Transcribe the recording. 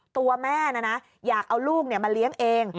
ตัวแม่นะอยากเอาลูกมาเลี้ยงเอง